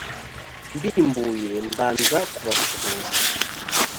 Mbimbuye mbanza kubasuhuza